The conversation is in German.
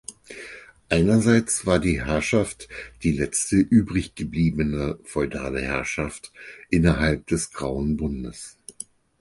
Einerseits war die Herrschaft die Letzte übrig gebliebene feudale Herrschaft innerhalb des Grauen Bundes.